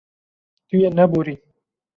Tu yê neborî.